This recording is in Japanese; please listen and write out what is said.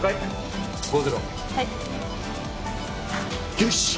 よし。